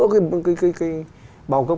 cái bao cấp